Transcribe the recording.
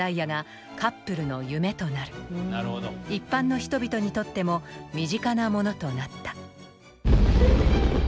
一般の人々にとっても身近なものとなった。